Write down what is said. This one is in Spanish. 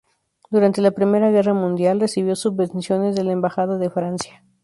Durante la Primera Guerra Mundial recibió subvenciones de la Embajada de Francia.